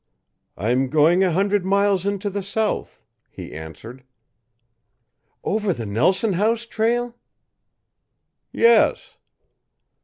"I'm going a hundred miles into the South," he answered. "Over the Nelson House trail?" "Yes."